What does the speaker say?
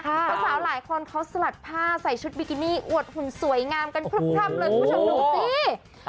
สาวหลายคนเขาสลัดผ้าใส่ชุดบิกินี่อวดหุ่นสวยงามกันพร่ำเลยคุณผู้ชมดูสิ